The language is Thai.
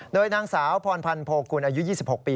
โดยนางสาวพรพันธ์โพกุลอายุ๒๖ปี